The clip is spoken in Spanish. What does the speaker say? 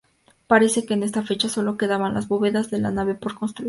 Parece que en esa fecha sólo quedaban las bóvedas de la nave por construir.